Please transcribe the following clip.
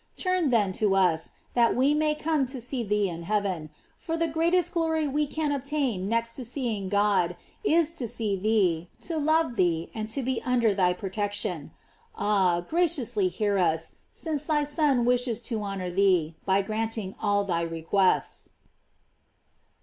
Turn, then to us, that we may come to see thee in heaven; for the greatest glory we can obtain next to seeing God, is to see thee, to love thee, and to be under thy protection. Ah, graciously hear us, since thy Son wishes to honor thee, by granting all thy requests.